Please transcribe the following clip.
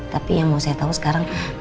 tapi yang mau saya tahu sekarang